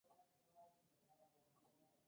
La sede de la parroquia es Jennings.